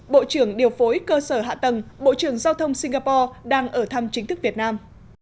bộ trưởng điều phối cơ sở hạ tầng bộ trưởng giao thông singapore đang ở thăm chính thức việt nam